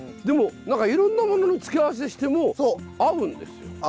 でもいろんなものの付け合わせしても合うんですよ。